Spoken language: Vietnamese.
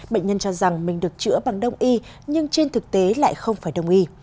bệnh nhân cho rằng mình được chữa bằng đông y nhưng trên thực tế lại không phải đông y